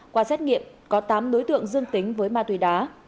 qua xét nghiệm có tám đối tượng dương tính với ma túy đá